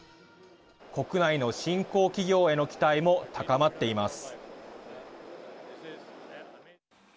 国内の新興企業への期待も高まっています。